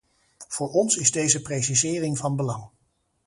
Voor ons is deze precisering van belang.